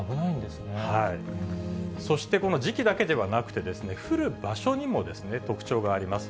そして、この時期だけではなくて、降る場所にも特徴があります。